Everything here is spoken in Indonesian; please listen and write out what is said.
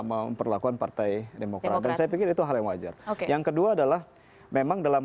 memperlakukan partai demokrat dan saya pikir itu hal yang wajar yang kedua adalah memang dalam